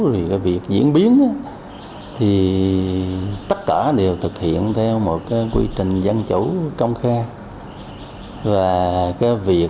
thì cái việc diễn biến thì tất cả đều thực hiện theo một cái quy trình dân chủ công khai